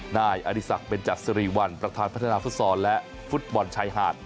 นายอดิสักเป็นจัดสิริวัลประธานพัฒนาศุษย์ศอลและฟุตบอลชายหาด